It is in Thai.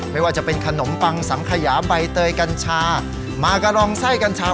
ไม่ว่าจะเป็นขนมปังสังขยาใบเตยกัญชามากะรองไส้กัญชา